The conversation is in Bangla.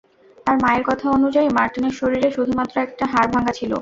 তার মায়ের কথা অনুযায়ী, মার্টিনের শরীরে শুধুমাত্র একটা হাড় ভাংগা ছিলো।